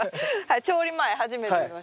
調理前初めて見ました。